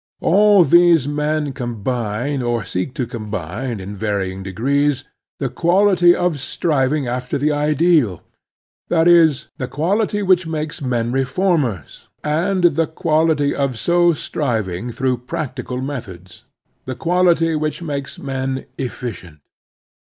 All these men com bine or seek to combine in varying degrees the quality of striving after the ideal, that is, the quality which makes men reformers, and the quality of so striving through practical methods — the quality which makes men efficient.